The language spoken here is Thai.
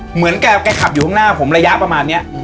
เหมือนแกขับอยู่ข้างหน้าผมระยะประมาณนี้